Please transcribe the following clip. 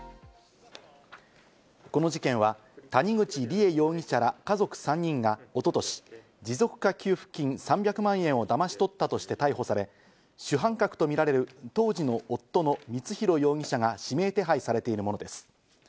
この事件は谷口梨恵容疑者ら家族３人が一昨年、持続化給付金３００万円をだまし取ったとして逮捕され、主犯格とみられる当時の夫の光弘容疑者が指名手配されているものです。